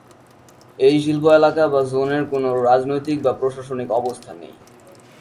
এই শিল্প এলাকা বা জোনের কোন রাজনৈতিক বা প্রশাসনিক অবস্থা নেই।